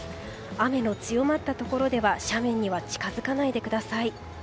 雨の強まったところでは斜面には近づかないでください。